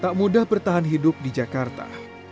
tak mudah bertahan hidup di jakarta